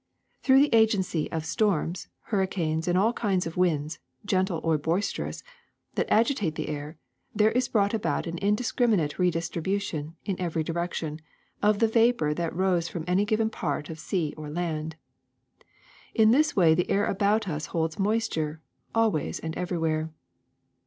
*^ Through the agency of storms, hurricanes, and all kinds of winds, gentle or boisterous, that agitate the air, there is brought about an indiscriminate re distribution, in every direction, of the vapor that rose from any given part of sea or land. In this way the air about us holds moisture, always and everywhere.